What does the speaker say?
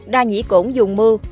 đa nhĩ cổn dùng mưu